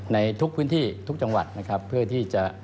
ในทุกพื้นที่ทุกจังหวัดนะครับเพื่อที่จะ